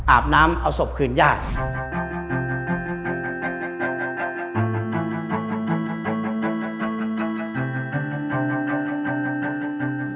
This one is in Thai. อาบน้ำเอาศพคืนญาติ